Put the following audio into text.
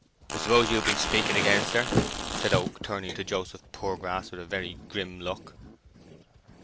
"I suppose you've been speaking against her?" said Oak, turning to Joseph Poorgrass with a very grim look.